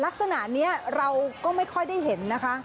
ลักษณะนี้เราก็ไม่ค่อยได้เห็นนะคะ